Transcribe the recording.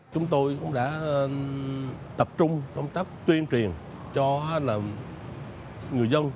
chúng tôi cũng đã tập trung công tác tuyên truyền cho người dân